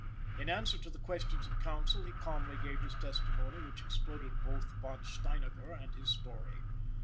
In answer to the questions of counsel he calmly gave his testimony, which exploded both Von Steinacker and his story.